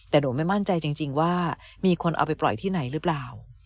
แต่หนูไม่มั่นใจจริงว่ามีคนเอาไปปล่อยที่ไหนหรือเปล่า